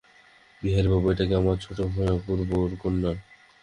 বিহারীবাবু, এইটি আমার ছোটো ভাই অপূর্বর কন্যা।